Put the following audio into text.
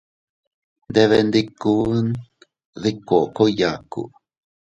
Nndeeebee nndikunn dii kookoy yaaku.